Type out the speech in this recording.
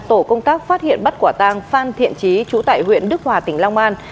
tổ công tác phát hiện bắt quả tang phan thiện trí chú tải huyện đức hòa tỉnh long an